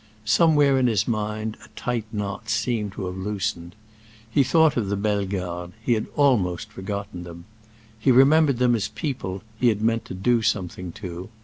Somewhere in his mind, a tight knot seemed to have loosened. He thought of the Bellegardes; he had almost forgotten them. He remembered them as people he had meant to do something to.